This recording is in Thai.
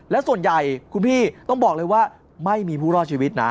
และส่วนใหญ่คุณพี่ต้องบอกเลยว่าไม่มีผู้รอดชีวิตนะ